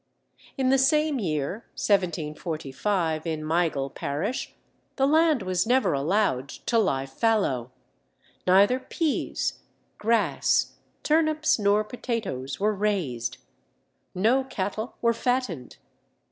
In the same year (1745) in Meigle parish, the land was never allowed to lie fallow: neither pease, grass, turnips, nor potatoes were raised. No cattle were fattened.